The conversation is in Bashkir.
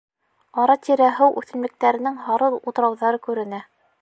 Ара-тирә һыу үҫемлектәренең һары утрауҙары күренә.